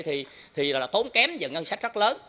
thì là tốn kém và ngân sách rất lớn